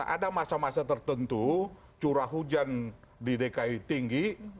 ada masa masa tertentu curah hujan di dki tinggi